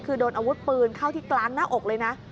คือโดนอาวุธปืนเข้าที่กลางหน้าอกเลยนะ